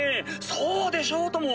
そうでしょうとも！